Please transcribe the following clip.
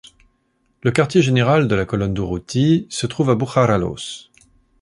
Le quartier général de la colonne Durruti se trouve à Bujaraloz.